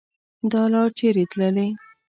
دا لار چیري تللي